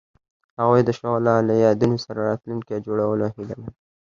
هغوی د شعله له یادونو سره راتلونکی جوړولو هیله لرله.